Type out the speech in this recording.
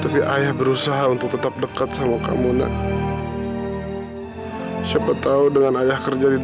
masa gitu gak ngerti sih